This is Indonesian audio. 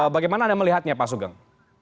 bagaimana anda melihatnya pak sugeng